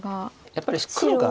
やっぱり黒が。